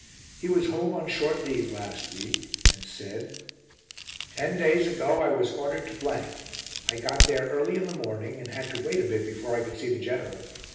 He was home on short leave last week, and said: "Ten days ago I was ordered to . I got there early in the morning, and had to wait a bit before I could see the General.